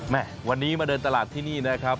แม่วันนี้มาเดินตลาดที่นี่นะครับ